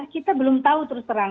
kita belum tahu terus terang